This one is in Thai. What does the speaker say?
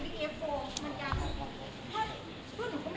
ถ้าเขาเรียกของมันเรียกออกแล้วถ้าไม่มีอะไรกลับมาชื่อนะ